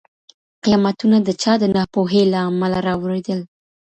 قيامتونه د چا د ناپوهۍ له امله راوورېدل؟